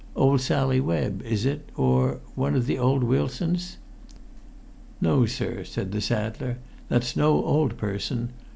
Old Sally Webb—is it—or one of the old Wilsons?" "No, sir," said the saddler; "that's no old person.